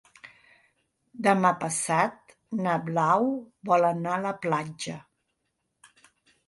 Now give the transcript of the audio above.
Demà passat na Blau vol anar a la platja.